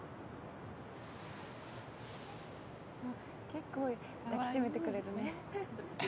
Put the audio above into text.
結構抱き締めてくれるね。